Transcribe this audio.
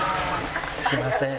すいません。